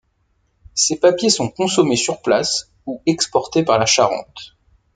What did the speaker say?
Ces papiers sont consommés sur place ou exportés par la Charente.